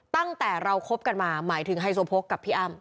ตั้งแต่เราคบกันมาหมายถึงไฮโซโพกกับพี่อ้ำ